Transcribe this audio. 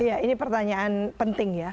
iya ini pertanyaan penting ya